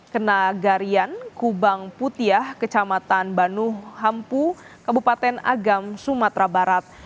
kena garian kubang putiah kecamatan banuhampu kabupaten agam sumatera barat